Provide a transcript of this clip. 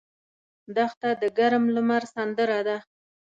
دښته د ګرم لمر سندره ده.